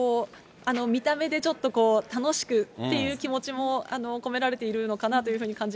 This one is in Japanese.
見た目でちょっと楽しくっていう気持ちも込められているのかなと